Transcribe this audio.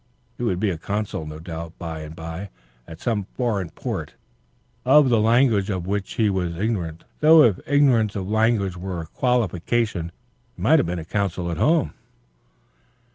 He would be a consul no doubt by and by, at some foreign port, of the language of which he was ignorant though if ignorance of language were a qualification he might have been a consul at home.